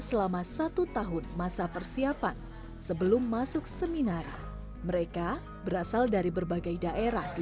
selama satu tahun masa persiapan sebelum masuk seminar mereka berasal dari berbagai daerah di